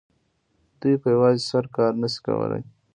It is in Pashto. دوی په یوازې سر کار نه شي کولای